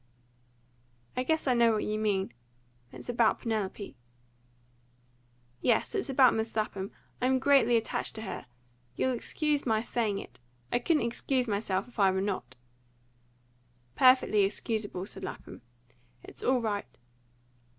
"I guess I know what you mean. It's about Penelope." "Yes, it's about Miss Lapham. I am greatly attached to her you'll excuse my saying it; I couldn't excuse myself if I were not." "Perfectly excusable," said Lapham. "It's all right."